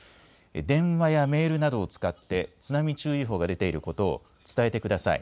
電話やメールなどを使って津波注意報が出ていることを伝えてください。